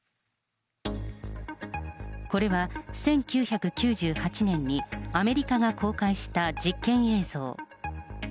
これは１９９８年にアメリカが公開した実験映像。